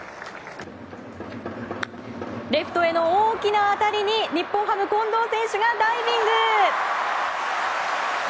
レフトへの大きな当たりに日本ハム、近藤選手がダイビング！